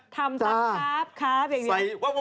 ทำซักครับครับ